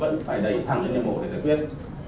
vẫn phải đẩy thẳng lên đêm mổ để giải quyết